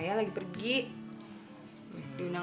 sama dimas dimana